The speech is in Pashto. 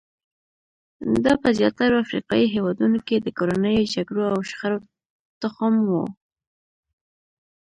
دا په زیاترو افریقایي هېوادونو کې د کورنیو جګړو او شخړو تخم وو.